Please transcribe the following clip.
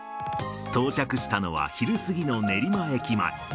到着したのは、昼過ぎの練馬駅前。